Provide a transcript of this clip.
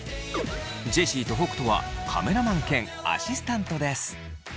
ジェシーと北斗はカメラマン兼アシスタントです。